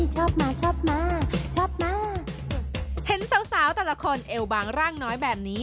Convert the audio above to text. เห็นสาวแต่ละคนเอวบางร่างน้อยแบบนี้